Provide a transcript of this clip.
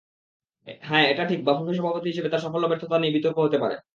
হ্যাঁ, এটা ঠিক, বাফুফে সভাপতি হিসেবে তাঁর সাফল্য-ব্যর্থতা নিয়ে বিতর্ক হতে পারে।